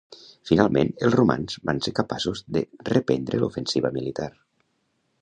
Finalment, els romans van ser capaços de reprendre l'ofensiva militar.